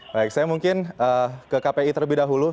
baik saya mungkin ke kpi terlebih dahulu